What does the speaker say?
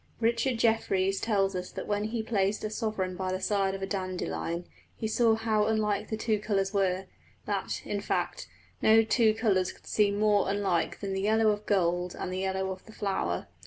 Richard Jefferies tells us that when he placed a sovereign by the side of a dandelion he saw how unlike the two colours were that, in fact, no two colours could seem more unlike than the yellow of gold and the yellow of the flower.